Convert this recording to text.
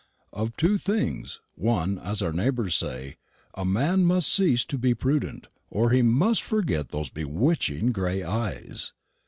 Of two things, one, as our neighbours say: a man must cease to be prudent, or he must forget those bewitching gray eyes.